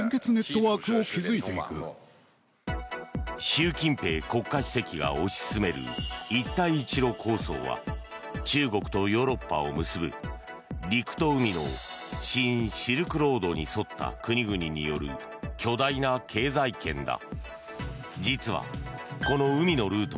習近平国家主席が推し進める一帯一路構想は中国とヨーロッパを結ぶ陸と海の新シルクロードに沿った国々による巨大な経済圏だ。